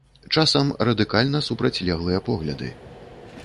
Часам радыкальна супрацьлеглыя погляды.